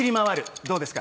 どうですか？